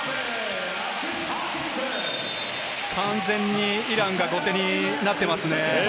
完全にイランが後手になっていますね。